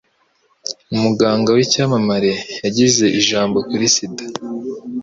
Umuganga w'icyamamare yagize ijambo kuri sida.